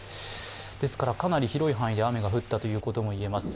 ですから、かなり広い範囲で雨が降ったということが言えます。